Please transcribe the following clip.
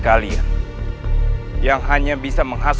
saya hantu hantu pretater